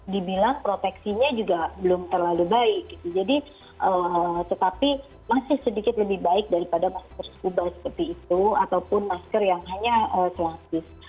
dibilang proteksinya juga belum terlalu baik tetapi masih sedikit lebih baik daripada masker scuba seperti itu ataupun masker yang hanya selapis